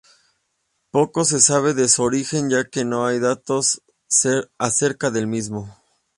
Poco se sabe de su origen, ya que no hay datos acerca del mismo.